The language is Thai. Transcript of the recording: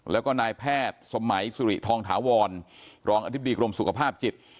แล้วก็นายแพทย์สมัยสุริทองถาวรรองอธิบดีกรมสุขภาพจิต